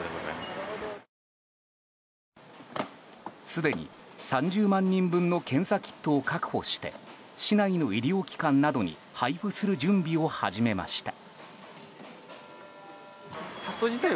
すでに３０万人分の検査キットを確保して市内の医療機関などに配布する準備を始めました。